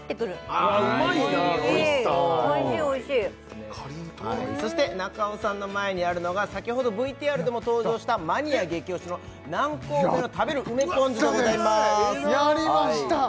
へえおいしいおいしいおいしいそして中尾さんの前にあるのが先ほどＶＴＲでも登場したマニア激推しの南高梅の食べる梅ぽん酢でございますやりました！